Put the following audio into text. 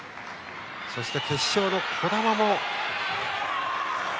そして決勝の児玉。